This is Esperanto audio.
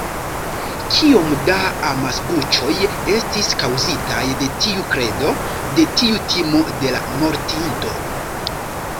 Kiom da amasbuĉoj estis kaŭzitaj de tiu kredo, de tiu timo de la mortinto.